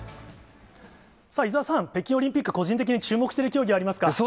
伊沢さん、北京オリンピック、個人的に注目してる競技ありますか？